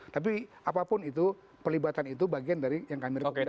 tapi apapun itu pelibatan itu bagian dari yang kami rekomendasikan